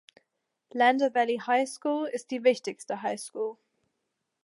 Lander Valley High School ist die wichtigste High School.